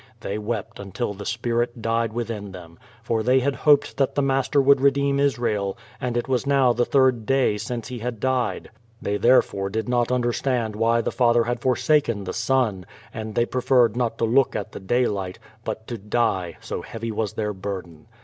They wept until the spirit died within l62 Q^o VADtS. them, for they had hoped that the Master would redeem Is rael, and it was now the third da}^ since lie died; tlicy there fore did not understand why the Father had foi saken the Son, and they preferred not to look at the daylight, but to die, so heavy was their burden.